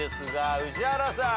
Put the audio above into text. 宇治原さん。